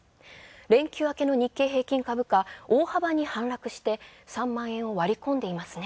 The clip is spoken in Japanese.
連休明けの日経平均株価、大幅に反落して３万円を割り込んでいますね。